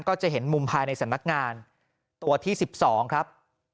ก็จะเห็นมุมภายในสำนักงานตัวที่๑๒ครับ